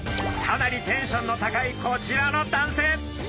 かなりテンションの高いこちらの男性。